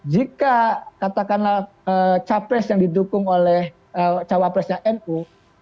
jika katakanlah capres yang didukung oleh cawapresnya nu